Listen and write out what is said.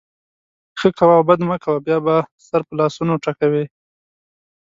ښه کوه او بد مه کوه؛ بیا به سر په لاسونو ټکوې.